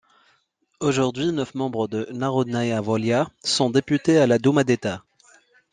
Aujourd'hui, neuf membres de Narodnaïa Volia sont députés à la Douma d'État.